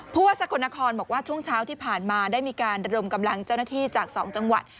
ผู้ว่าสกลนครบอกว่าช่วงเช้าที่ผ่านมาได้มีการระดมกำลังเจ้าหน้าที่จาก๒จังหวัด